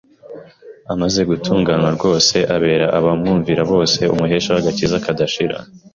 amaze gutunganywa rwose, abera abamwumvira bose umuhesha w’agakiza kadashira